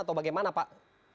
atau bagaimana pak